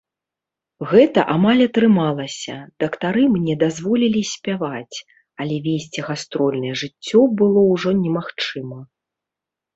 Гэта амаль атрымалася, дактары мне дазволілі спяваць, але весці гастрольнае жыццё было ўжо немагчыма.